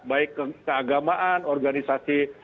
baik keagamaan organisasi